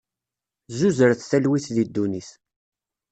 Zzuzret talwit di ddunit!